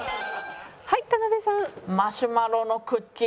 はい田辺さん。